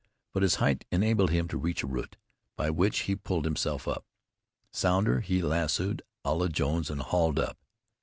But his height enabled him to reach a root, by which he pulled himself up. Sounder he lassoed a la Jones, and hauled up.